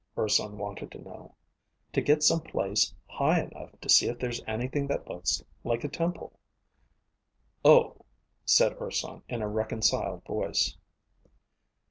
Urson wanted to know. "To get some place high enough to see if there's anything that looks like a temple." "Oh," said Urson in a reconciled voice.